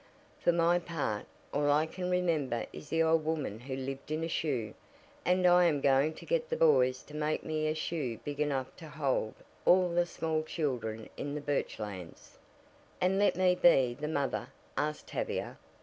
For my part, all I can remember is the old woman who lived in a shoe, and I am going to get the boys to make me a shoe big enough to hold all the small children in the Birchlands." "And let me be the mother?" asked Tavia.